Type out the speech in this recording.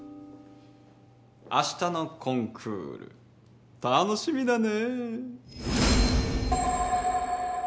あしたのコンクール楽しみだねぇ。